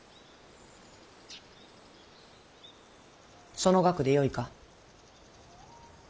その額でよいか。